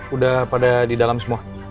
udah pada di dalam semua